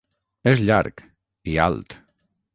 És llarg, i alt.